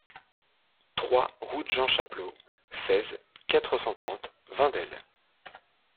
trois route Jean Chapelot, seize, quatre cent trente, Vindelle